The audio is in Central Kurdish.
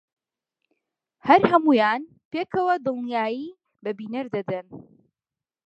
هەر هەموویان پێکەوە دڵنیایی بە بینەر دەدەن